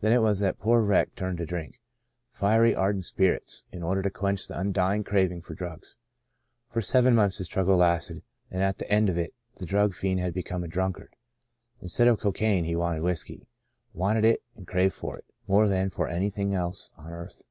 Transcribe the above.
Then it was that the poor wreck turned to drink — fiery, ardent spirits — in order to quench the undying craving for drugs. For seven months the struggle lasted, and at the end of it, the drug fiend had become a drunkard. Instead of cocaine, he wanted whiskey — wanted it, and craved for it, more than for anything else on earth.